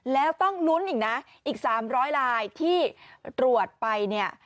แล้วต้องลุ้นอีกนะอีก๓๐๐ลายที่ตรวจไปเนี่ย